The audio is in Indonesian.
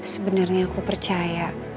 sebenernya aku percaya